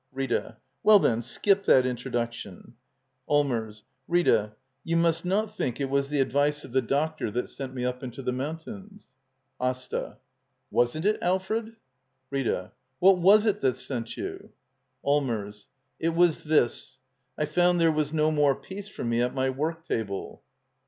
Rita. Well, then, skip that introduction! Allmers. Rita — you must not think it was Digitized by VjOOQIC LITTLE EYOLF <^ Act i. the advice of the doctor that sent me up into the mountains. AsTA. Wasn't it, Alfred? Rita. What was it that sent you? Allmers. It was this: I found there was no tnore peace for me at my work table.